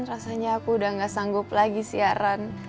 rasanya aku udah gak sanggup lagi siaran